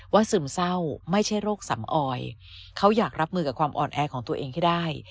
ซึมเศร้าไม่ใช่โรคสำออยเขาอยากรับมือกับความอ่อนแอของตัวเองให้ได้